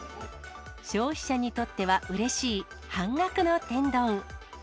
消費者にとってはうれしい半額の天丼。